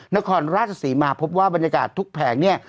นครราชศรีมาพบว่าบรรยากาศทุกแผงเนี่ย